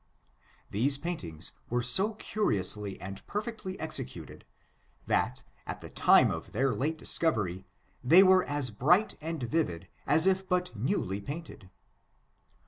Tiiese paintings were so curiously and perfectly executed, that, at the time of their late discovery, they were as bright and vivid as if but newly painted.